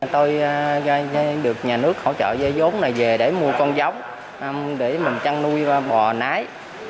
tôi được nhà nước hỗ trợ dây giống này về để mua con giống để mình chăn nuôi bò nái